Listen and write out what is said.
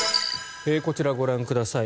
こちら、ご覧ください。